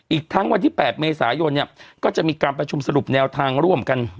อีกทั้งวันที่๘เมษายนเนี่ยก็จะมีการประชุมสรุปแนวทางร่วมกัน